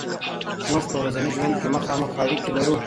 موږ په ورځني ژوند کې مخامخ اړیکې لرو.